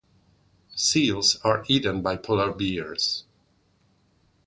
Seals are eaten by polar bears.